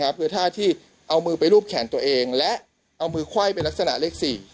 คือท่าที่เอามือไปรูปแขนตัวเองและเอามือไขว้เป็นลักษณะเลข๔